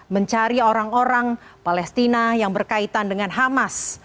mencari orang orang palestina yang berkaitan dengan hamas